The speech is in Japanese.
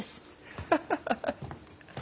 ハハハハ。